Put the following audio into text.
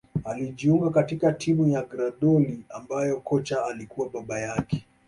Alijiunga katika timu ya Grahdoli ambayo kocha alikuwa baba yake